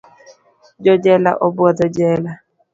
Jo jela obwotho jela.